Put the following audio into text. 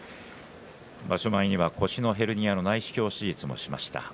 場所前には腰のヘルニアの内視鏡手術もしました。